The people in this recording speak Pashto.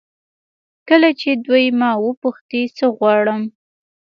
کله چې دوی ما وپوښتي څه غواړم.